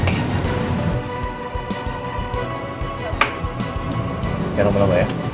jangan lama lama ya